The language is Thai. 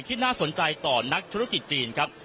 น่าสนใจต่อนักธุรกิจจีนครับ